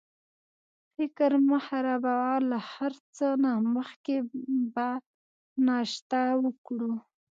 فکر مه خرابوه، له هر څه نه مخکې به ناشته وکړو.